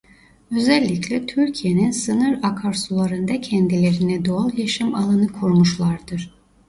Özellikle Türkiye'nin sınır akarsularında kendilerine doğal yaşam alanı kurmuşlardır.